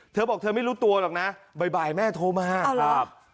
เธอบอกเธอไม่รู้ตัวหรอกนะบ่ายแม่โทรมาครับ